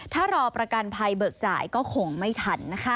ถ้ารอประกันภัยเบิกจ่ายก็คงไม่ทันนะคะ